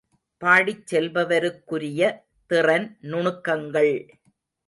பாடிச் செல்பவருக்குரிய திறன் நுணுக்கங்கள் ….